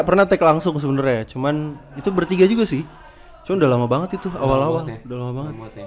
pernah tek langsung sebenarnya cuman itu bertiga juga sih cuman udah lama banget itu awal awalnya ya